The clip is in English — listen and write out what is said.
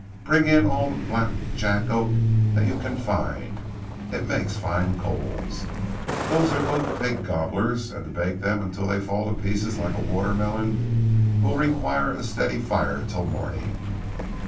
"Bring in all the black jack oak that you can find; it makes fine coals. These are both big gobblers, and to bake them until they fall to pieces like a watermelon will require a steady fire till morning.